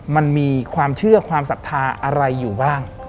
มันมีความเชื่อความศรัทธาอะไรอยู่บ้าง